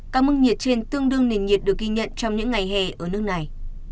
các mức nhiệt trên tương đương nền nhiệt được ghi nhận trong những ngày hè ở nước này